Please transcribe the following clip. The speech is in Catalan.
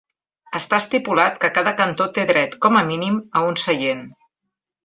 Està estipulat que cada cantó té dret, com a mínim, a un seient.